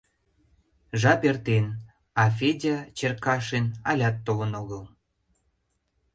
Жап эртен, а Федя Черкашин алят толын огыл.